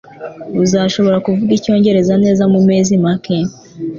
Uzashobora kuvuga icyongereza neza mumezi make